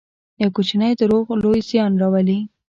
یو کوچنی دروغ لوی زیان راولي.